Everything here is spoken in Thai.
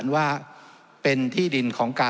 จำนวนเนื้อที่ดินทั้งหมด๑๒๒๐๐๐ไร่